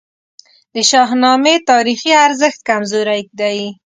د شاهنامې تاریخي ارزښت کمزوری دی.